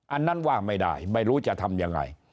อันนั้นว่าไม่ได้ไม่รู้จะทำยังไง